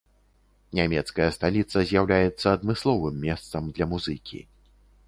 Нямецкая сталіца з'яўляецца адмысловым месцам для музыкі.